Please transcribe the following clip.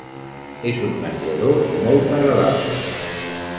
És un menjador molt agradable